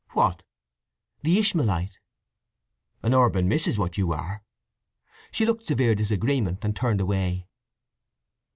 "What?" "The Ishmaelite." "An urban miss is what you are." She looked severe disagreement, and turned away.